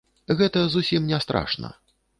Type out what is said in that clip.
Гэта зусім не страшна!